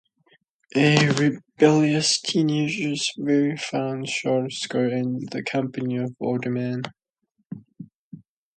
A rebellious teenager, very fond of short skirts and the company of older men.